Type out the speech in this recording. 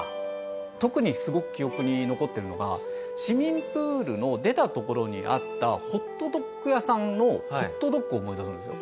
特にすごく記憶に残ってるのが市民プールの出た所にあったホットドッグ屋さんのホットドッグを思い出すんですよ。